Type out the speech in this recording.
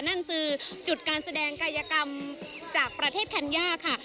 นั่นคือจุดการแสดงกายกรรมจากประเทศธัญญาค่ะ